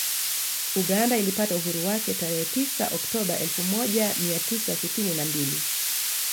Uganda ilipata uhuru wake tarehe tisa Oktoba elfu moja mia tisa sitini na mbili